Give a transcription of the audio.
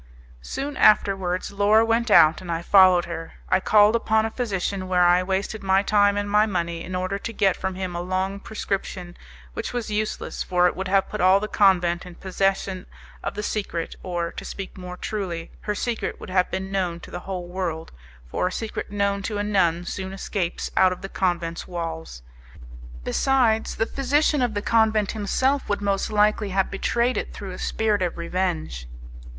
Soon afterwards Laura went out, and I followed her. I called upon a physician, where I wasted my time and my money, in order to get from him a long prescription which was useless, for it would have put all the convent in possession of the secret, or, to speak more truly, her secret would have been known to the whole world, for a secret known to a nun soon escapes out of the convent's walls. Besides, the physician of the convent himself would most likely have betrayed it through a spirit of revenge.